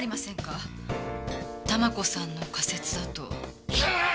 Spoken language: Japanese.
珠子さんの仮説だと。